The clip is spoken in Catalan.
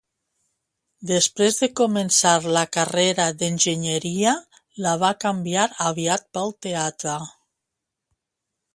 Després de començar la carrera d'enginyeria, la va canviar aviat pel teatre.